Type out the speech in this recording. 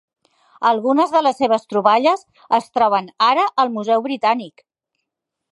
Algunes de les seves troballes es troben ara al museu britànic.